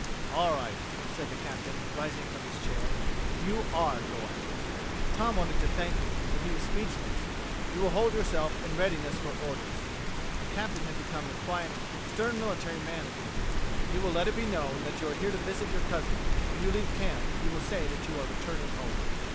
"All right," said the Captain, rising from his chair. "You are going." Tom wanted to thank him, but he was speechless. "You will hold yourself in readiness for orders." The Captain had become the quiet, stern military man again. "You will let it be known that you are here to visit your cousin, and when you leave camp you will say that you are returning home."